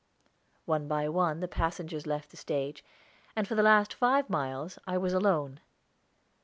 One by one the passengers left the stage, and for the last five miles I was alone.